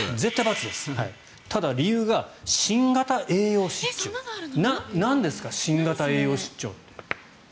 ただ、理由が新型栄養失調なんですか、新型栄養失調って。